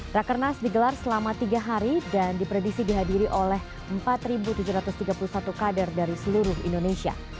rakernas digelar selama tiga hari dan dipredisi dihadiri oleh empat tujuh ratus tiga puluh satu kader dari seluruh indonesia